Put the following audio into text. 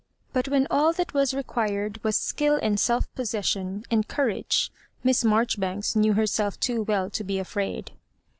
But when all that was required was skill and self possession and cou rage. Miss Marjoribanks knew herself too well to be afraid.